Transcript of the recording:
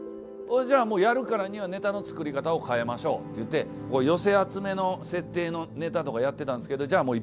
ほいじゃあもうやるからにはネタの作り方を変えましょうって言ってこう寄せ集めの設定のネタとかやってたんですけどじゃあ